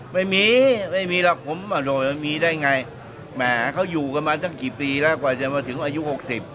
ไม่มีไม่มีหรอกผมอร่อยมีได้ไงแหมเขาอยู่กันมาตั้งกี่ปีแล้วกว่าจะมาถึงอายุหกสิบ